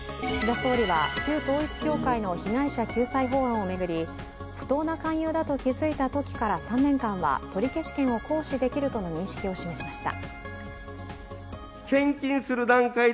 岸田総理は旧統一教会の被害者救済法案を巡り不当な勧誘だと気づいたときから３年間は取消権を行使できるとの認識を示しました。